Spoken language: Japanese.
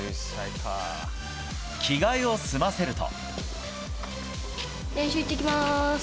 着替えを済ませると。